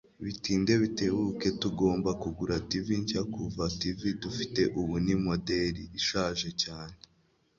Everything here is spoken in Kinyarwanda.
Bitinde bitebuke tugomba kugura TV nshya kuva TV dufite ubu ni moderi ishaje cyane